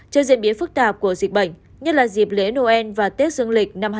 trên diễn biến phức tạp của dịch bệnh như là dịp lễ noel và tết dương lịch